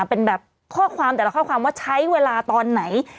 เป็นแบบข้อความแต่ละข้อความว่าใช้เวลาตอนไหน